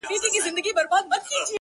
ور ښکاره یې کړې تڼاکي د لاسونو.!